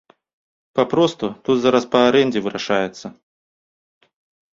Папросту тут зараз па арэндзе вырашаецца.